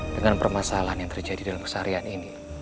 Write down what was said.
dengan permasalahan yang terjadi dalam keseharian ini